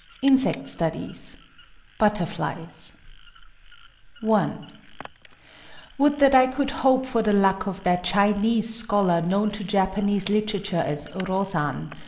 INSECT STUDIES BUTTERFLIES I Would that I could hope for the luck of that Chinese scholar known to Japanese literature as "Rōsan"!